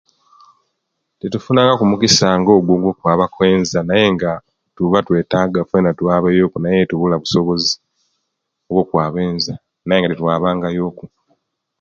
Tetufunangaku mugisa nga ogwo ogwokwabaku eenza naye nga tuba twetaga fena twabeyoku naye tubula busobozi obwokwaba enza nayenga titwabanga yoku